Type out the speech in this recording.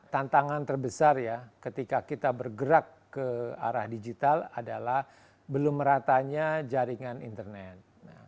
tantangan terbesar ya ketika kita bergerak ke arah digital adalah belum meratanya jaringan internet